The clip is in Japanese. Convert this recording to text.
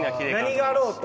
何があろうと？